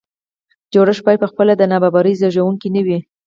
جوړښت باید په خپله د نابرابرۍ زیږوونکی نه وي.